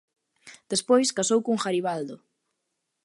Despois casou con Garibaldo.